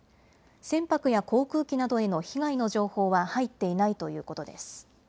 船舶や航空機などへの被害の情報は入っていないということです。